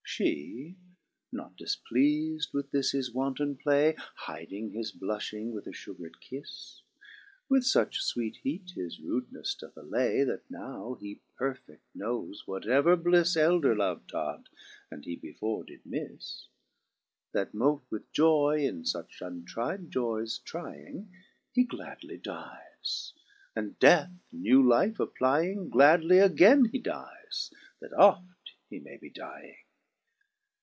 8. She, not difpleas'd with this his wanton play. Hiding his blufhing with a fugred kifTe, With fuch fweete heat his rudenefTe doth allay. That now he perfedl knowes whatever blifle Elder love taught, and he before did mifTe ; That moult with joy. In fuch untri'd joyes trying, He gladly dies ; and death new life applying. Gladly againe he dyes, that oft he may be dying.